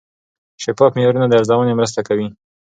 شفاف معیارونه د ارزونې مرسته کوي.